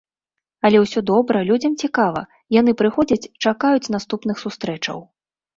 Але ўсё добра, людзям цікава, яны прыходзяць, чакаюць наступных сустрэчаў.